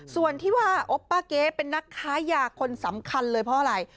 ส่วนที่ว่าโอปป้าเก๊เป็นนักค้ายาคนสำคัญเลยเพราะอะไร